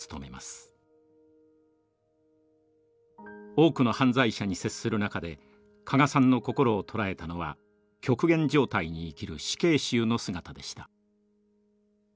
多くの犯罪者に接する中で加賀さんのこころを捉えたのは極限状態に生きる死刑囚の姿でした。